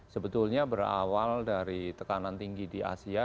sebetulnya berawal dari tekanan tinggi di asia